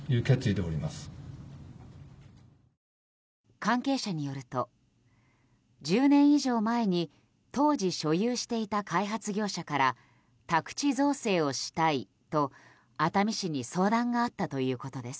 関係者によると１０年以上前に当時、所有していた開発業者から宅地造成をしたいと、熱海市に相談があったということです。